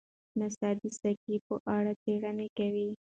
ناسا د سایکي په اړه څېړنې کوي.